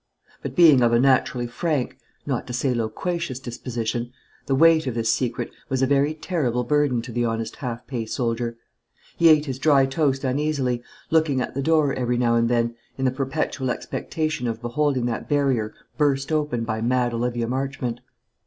But being of a naturally frank, not to say loquacious disposition, the weight of this secret was a very terrible burden to the honest half pay soldier. He ate his dry toast uneasily, looking at the door every now and then, in the perpetual expectation of beholding that barrier burst open by mad Olivia Marchmont.